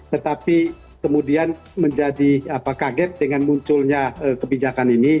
tetapi kemudian menjadi kaget dengan munculnya kebijakan ini